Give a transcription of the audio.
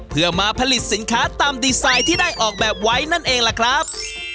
เพื่อมาผลิตสินค้าตามดีไซน์ที่ได้ออกแบบไว้นั่นเองล่ะครับ